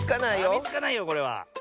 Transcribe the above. かみつかないよこれは。